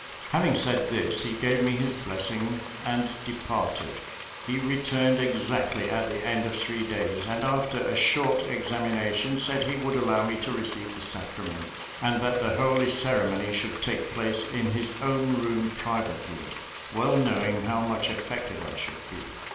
Having said this, he gave me his blessing, and departed. He returned exactly at the end of three days, and after a short examination, said he would allow me to receive the sacrament, and that the holy ceremony should take place in his own room privately, well knowing how much affected I should be.